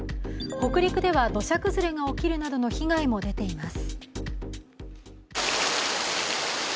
北陸では土砂崩れが起きるなどの被害も出ています。